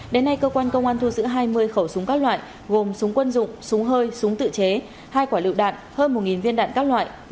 đến nay cơ quan công an thu giữ hai mươi khẩu súng các loại gồm súng quân dụng súng hơi súng tự chế hai quả lựu đạn hơn một viên đạn các loại